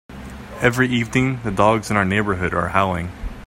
Every evening, the dogs in our neighbourhood are howling.